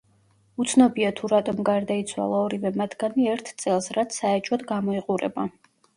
უცნობია, თუ რატომ გარდაიცვალა ორივე მათგანი ერთ წელს, რაც საეჭვოდ გამოიყურება.